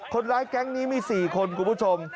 แก๊งนี้มี๔คนคุณผู้ชม